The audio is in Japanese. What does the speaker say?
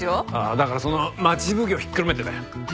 だからその町奉行ひっくるめてだ。